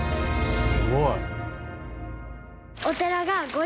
すごい！